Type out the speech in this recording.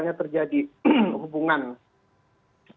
ketika terjadi penembakan kaitan jurnal